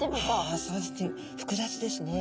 あそうですね